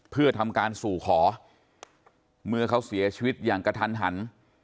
เพื่อทำการสู่ขอเมื่อเขาเสียชีวิตอย่างกระทันหัน